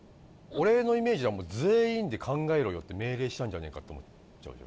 俺のイメージはもう「全員で考えろよ」って命令したんじゃねえかって思っちゃう。